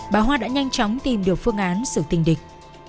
bà hoa đã nhanh chóng tìm được phương án xử tình địch